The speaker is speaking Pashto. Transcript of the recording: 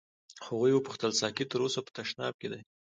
هغې وپوښتل ساقي تر اوسه په تشناب کې دی.